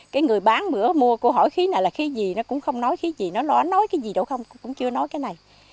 cái người bán bữa mua cô hỏi khí này là khí gì nó cũng không nói khí gì nó nói cái gì đâu không cũng chưa nói cái này